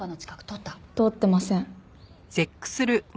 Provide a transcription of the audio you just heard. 通ってません。